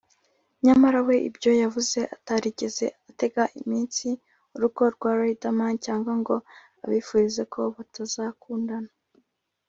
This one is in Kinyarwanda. nyamara we ibyo yavuze atarigeze atega iminsi urugo rwa Riderman cyangwa ngo abifurize ko bazatandukana